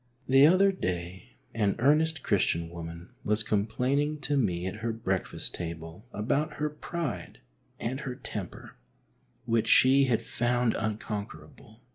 The other day an earnest Christian woman was complain ing to me at her breakfast table about her pride and her temper, which she had found unconquerable.